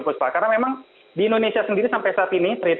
karena memang di indonesia sendiri sampai saat ini